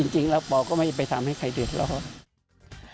จริงแล้วปอก็ไม่ไปทำให้ใครเดือดร้อน